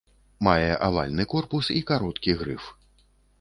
Мае авальны корпус і кароткі грыф.